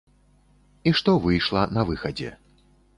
І што выйшла на выхадзе.